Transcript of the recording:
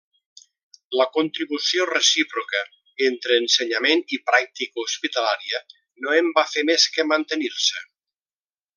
La contribució recíproca entre ensenyament i pràctica hospitalària no en va fer més que mantenir-se.